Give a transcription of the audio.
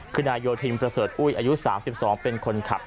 คือนายโยธินประเสริฐอุ้ยอายุ๓๒เป็นคนขับ